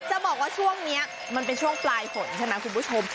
จะบอกว่าช่วงนี้มันเป็นช่วงปลายฝนใช่ไหมคุณผู้ชม